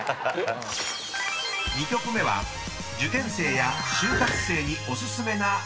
［２曲目は受験生や就活生にお薦めな］